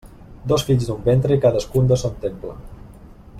Dos fills d'un ventre i cadascun de son temple.